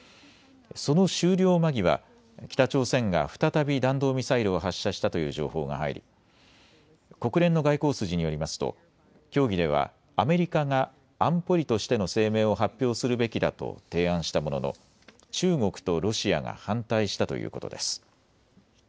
その終了間際、北朝鮮が再び弾道ミサイルを発射したという情報が入り、国連の外交筋によりますと協議ではアメリカが安保理としての声明を発表するべきだと提案したものの、中国とロシアが反対したということです。